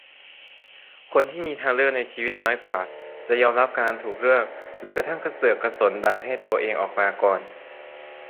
คนที่มีทางเลือกในชีวิตน้อยกว่า จะยอมรับการถูกเลือกหรือกระทั่งกระเสือกกระสนดันให้ตัวเองออกมาก่อน